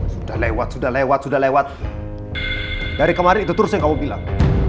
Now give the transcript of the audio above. sudah lewat sudah lewat sudah lewat dari kemarin itu terus yang kamu bilang